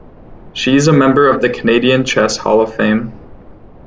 She is a member of the Canadian Chess Hall of Fame.